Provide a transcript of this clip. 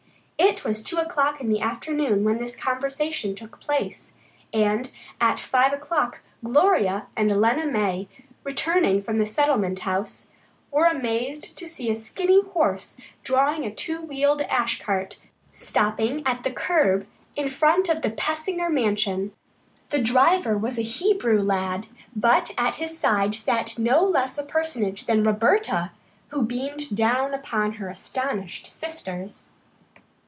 It was two o'clock in the afternoon when this conversation took place, and at five o'clock Gloria and Lena May, returning from the Settlement House, were amazed to see a skinny horse drawing a two wheeled ash cart stopping at the curb in front of the Pensinger mansion. The driver was a Hebrew lad, but at his side sat no less a personage than Roberta, who beamed down upon her astonished sisters.